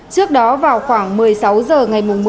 trước đó vào khoảng một mươi sáu h ngày mùng